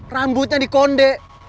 rambutnya di konde